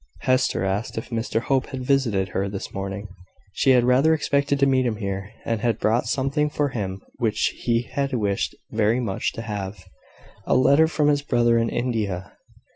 Hester asked if Mr Hope had visited her this morning. She had rather expected to meet him here, and had brought something for him which he had wished very much to have a letter from his brother in India.